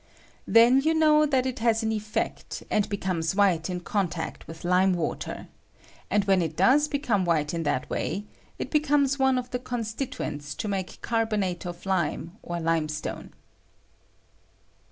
Then you know that it has an effect, and becomes white in contact with lime water; and when it does become white in that way, it becomes one of the constituente to make carbonate of lime or limestone.